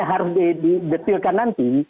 harus diketilkan nanti